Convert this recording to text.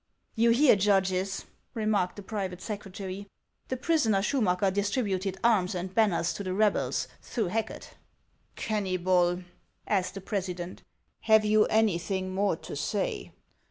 " You hear, judges," remarked the private secretary ; "the prisoner Schumacker distributed arms and banners to the rebels, through Hacket." " Kenuybol, asked the president, " have you anything more to say